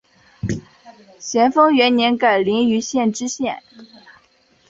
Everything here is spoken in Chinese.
咸丰元年改临榆县知县。